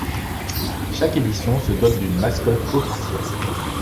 Chaque édition se dote d'une mascotte officielle.